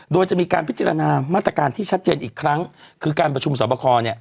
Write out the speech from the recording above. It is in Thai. โดยจะมีการพิจารณามาตรการที่ชัดเจนอีกครั้งคือการประชุมสอบคอเนี่ย